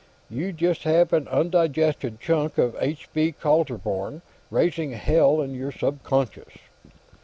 You just have an undigested chunk of H. V. Kaltenborn raising hell in your subconscious."